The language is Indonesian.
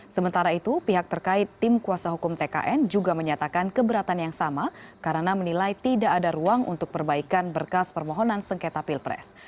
sementara itu pihak terkait tim kuasa hukum tkn juga menyatakan keberatan yang sama karena menilai tidak ada ruang untuk perbaikan berkas permohonan sengketa pilpres